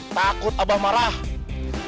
takut abah marah